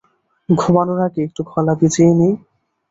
ঘুমানোর আগে একটু গলা ভিজিয়ে নিই?